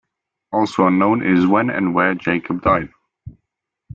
Also unknown is when and where Jacob died.